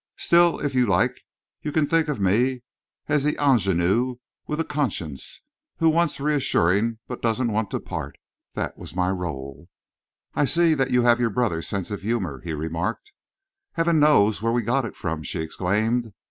Still, if you like, you can think of me as the ingénue with a conscience, who wants reassuring but doesn't want to part. That was my rôle." "I see that you have your brother's sense of humour," he remarked. "Heaven knows where we got it from!" she exclaimed.